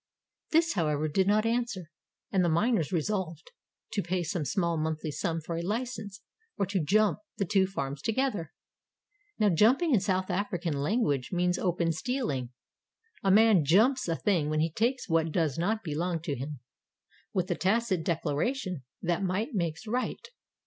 This, however, did not answer, and the miners resolved to pay some small monthly sum for a license, or to ''jump" the two farms altogether. Now "jumping" in South African language means open steahng. A man "jumps" a thing when he takes what does not belong to him with a tacit declaration that might makes right.